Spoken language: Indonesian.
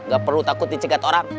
gak perlu takut dicegat orang